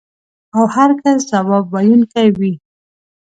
او هر کس ځواب ویونکی وي.